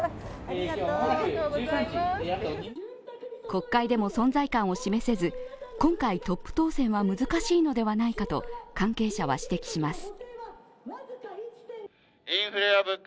国会でも存在感を示せず、今回、トップ当選は難しいのではないかと関係者は指摘します。